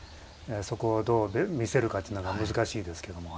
そこをどう見せるかというのが難しいですけども。